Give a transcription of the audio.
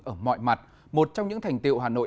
ở mọi mặt một trong những thành tiệu hà nội